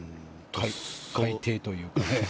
海底というかね。